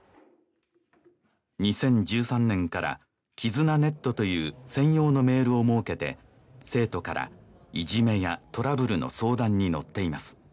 ２０１３年から「絆ネット」という専用のメールを設けて生徒からいじめやトラブルの相談に乗っています